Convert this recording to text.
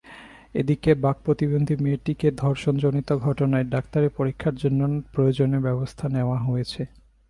এদিকে বাক্প্রতিবন্ধী মেয়েটির ধর্ষণজনিত ঘটনায় ডাক্তারি পরীক্ষার জন্য প্রয়োজনীয় ব্যবস্থা নেওয়া হয়েছে।